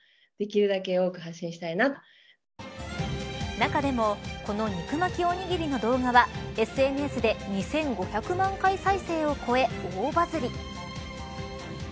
中でも、この肉巻きおにぎりの動画はＳＮＳで２５００万回再生を超え大バズリ。